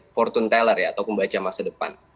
fortune teller ya atau pembaca masa depan